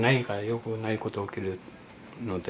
よくないこと起きるので。